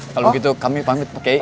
kalau gitu kami pamit pak kiai